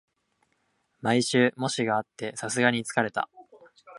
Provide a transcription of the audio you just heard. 毎週、模試があってさすがに疲れた